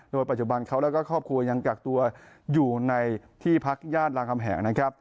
โดยปัจจุบันเขาแล้วก็ครอบครัวยังกักตัวอยู่ในที่พักญาติรามคำแหงนะครับ